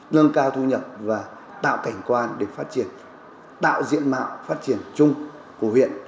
nâng cao thu nhập và tạo cảnh quan để phát triển tạo diện mạo phát triển chung của huyện